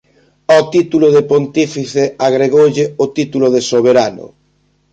Ao título de Pontífice agregoulle o título de Soberano.